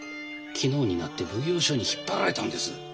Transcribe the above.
昨日になって奉行所に引っ張られたんです。